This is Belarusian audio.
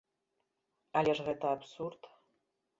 Але гэта ж абсурд.